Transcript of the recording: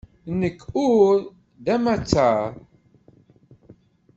Nekk ur d amattar.